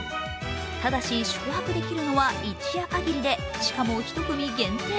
ただし宿泊できるのは一夜かぎりでしかも１組限定。